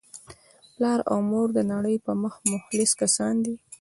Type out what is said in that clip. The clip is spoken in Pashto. پلار او مور دنړۍ په مخ مخلص کسان دي